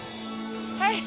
はい！